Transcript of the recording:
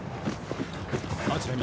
あちらに。